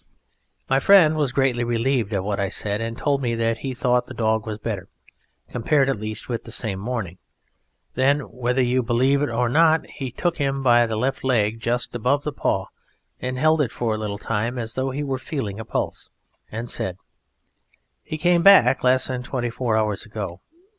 My friend was greatly relieved at what I said, and told me that he thought the dog was better, compared at least with that same morning; then, whether you believe it or not, he took him by the left leg just above the paw and held it for a little time as though he were feeling a pulse, and said, "He came back less than twenty four hours ago!"